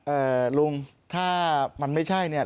ลุงถ้ามันไม่ใช่เนี่ย